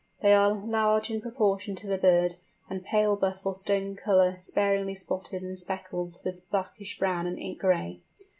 They are large in proportion to the bird, and pale buff or stone colour sparingly spotted and speckled with blackish brown and ink gray.